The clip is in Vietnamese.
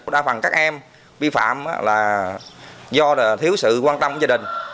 đa phần các em vi phạm là do thiếu sự quan tâm của gia đình